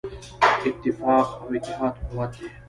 اتفاق او اتحاد قوت دی.